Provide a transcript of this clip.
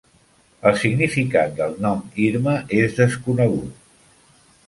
El significat del nom Irma és desconegut.